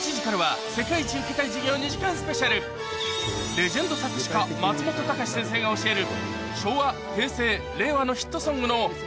レジェンド作詞家松本隆先生が教える